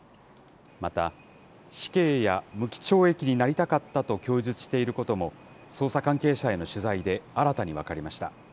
また、死刑や無期懲役になりたかったと供述していることも、捜査関係者への取材で新たに分かりました。